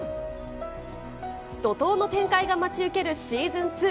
怒とうの展開が待ち受けるシーズン２。